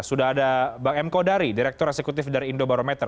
sudah ada bang m kodari direktur eksekutif dari indobarometer